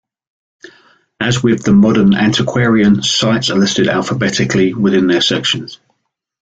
As with "The Modern Antiquarian", sites are listed alphabetically within their sections.